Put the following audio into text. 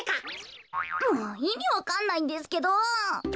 もういみわかんないんですけど。